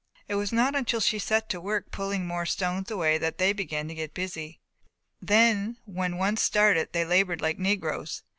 It was not till she set to work pulling more stones away that they began to get busy; then when once started they laboured like negroes.